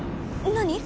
何？